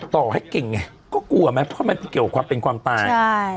ต่อให้เก่งไงก็กลัวไหมเพราะมันเกี่ยวกับความเป็นความตายใช่